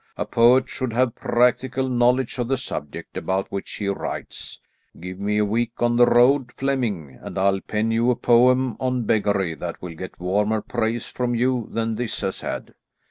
A poet should have practical knowledge of the subject about which he writes. Give me a week on the road, Flemming, and I'll pen you a poem on beggary that will get warmer praise from you than this has had."